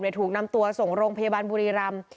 ถูกนำตัวส่งโรงพยาบาลบุรีรำ